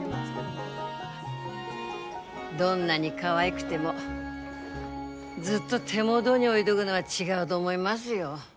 どんなにかわいくてもずっと手元に置いどぐのは違うど思いますよ。